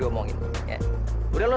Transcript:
eh semua gak ada yang niat